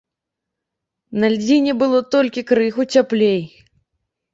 На льдзіне было толькі крыху цяплей.